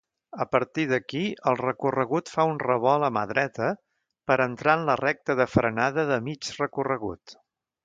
A partir d'aquí, el recorregut fa un revolt a mà dreta per entrar en la recta de frenada de mig recorregut.